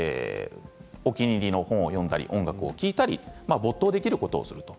お気に入りの本を読んだり音楽を聴いたり没頭できることをする。